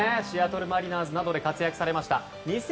シアトル・マリナーズなどで活躍されました。